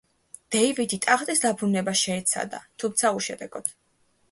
დეივიდი ტახტის დაბრუნებას შეეცადა, თუმცა უშედეგოდ.